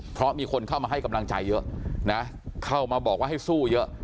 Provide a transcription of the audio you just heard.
เพราะมีคนเข้ามาให้กำลังใจเยอะนะเข้ามาบอกว่าให้สู้เยอะ